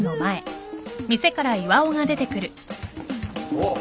おっ。